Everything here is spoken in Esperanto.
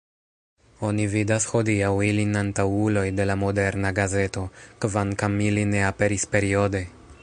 Oni vidas hodiaŭ ilin antaŭuloj de la moderna gazeto, kvankam ili ne aperis periode.